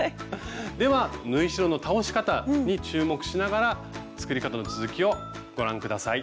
では縫い代の倒し方に注目しながら作り方の続きをご覧下さい。